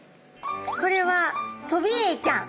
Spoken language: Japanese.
これはトビエイちゃん。